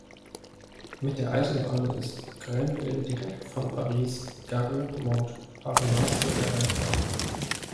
Mit der Eisenbahn ist Granville direkt von Paris Gare Montparnasse erreichbar.